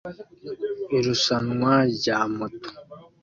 Irushanwa rya moto